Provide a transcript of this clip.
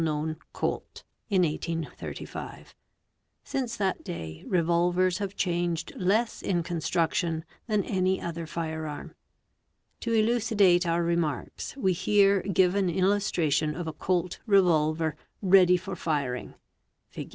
known 'Colt'? in 1835; sine that day revolvers have change¢ less in construction than am other fire arm. 'To elucidate ow ; remarks we here give an illustre Hig. 54. tion of a 'Colt'? Revolver read; for firing, Fig.